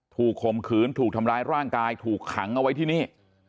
ข่มขืนถูกทำร้ายร่างกายถูกขังเอาไว้ที่นี่